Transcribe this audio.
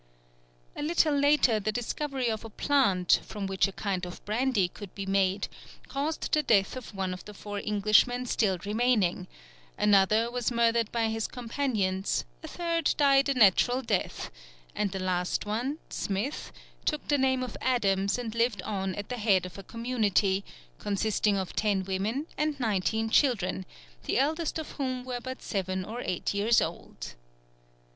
A little later the discovery of a plant, from which a kind of brandy could be made, caused the death of one of the four Englishmen still remaining, another was murdered by his companions, a third died a natural death, and the last one, Smith, took the name of Adams and lived on at the head of a community, consisting of ten women and nineteen children, the eldest of whom were but seven or eight years old.